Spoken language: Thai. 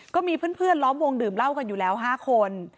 ก็มีเพื่อนล้อมวงดื่มเหล้ากันอยู่แล้ว๕คน